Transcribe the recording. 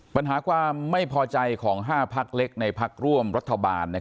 ปัญหากว่าไม่พอใจของ๕ภักดิ์เล็กในภักดิ์ร่วมรัฐบาล